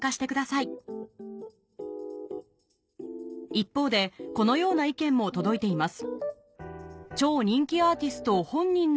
一方でこのような意見も届いています